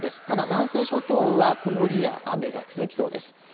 ただ、南西諸島は曇りや雨が続きそうです。